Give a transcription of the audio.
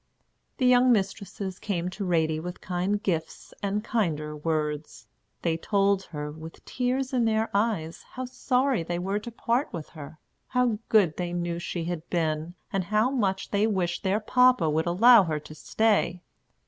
The young mistresses came to Ratie with kind gifts and kinder words. They told her, with tears in their eyes, how sorry they were to part with her, how good they knew she had been, and how much they wished their papa would allow her to stay.